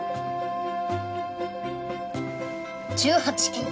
１８金！